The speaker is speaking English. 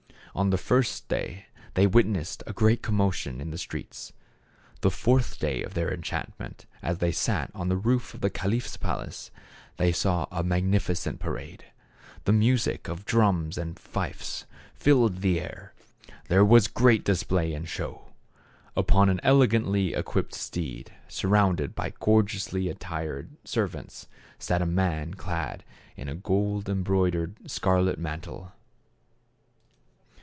On the first day they witnessed a great commotion in the streets. The fourth day of their enchant ment, as they sat on the roof of the caliph's palace, they saw a magnificent parade. The music of drums and fifes filled the air; there was great display and show. Upon an elegantly equipped steed, surrounded by gorgeously attired 96 THE CAB AVAN. servants sat a man clad in a gold embroidered, scarlet mantle.